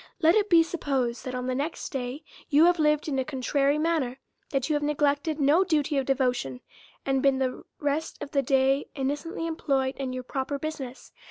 Let it be supposed, that, on the next day, you have lived in a contrary manner; that you have neglected no duty of devotion, and been the rest of the day innocently employed in your proper business.